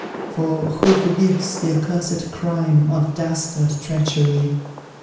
For, who forgives the accursed crime Of dastard treachery?